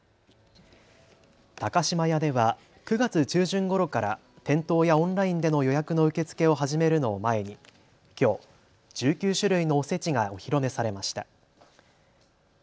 高島屋では９月中旬ごろから店頭やオンラインでの予約の受け付けを始めるのを前にきょう、１９種類のおせちがお披露目されました。